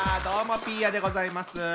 どうもピーヤでございます。